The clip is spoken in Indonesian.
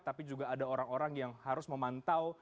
tapi juga ada orang orang yang harus memantau